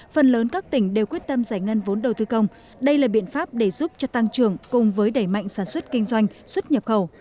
phần lớn các tỉnh đều quyết tâm giải ngân vốn đầu tư công đây là biện pháp để giúp cho tăng trưởng cùng với đẩy mạnh sản xuất kinh doanh xuất nhập khẩu